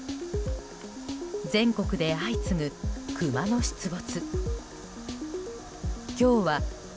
全国で相次ぐクマの出没。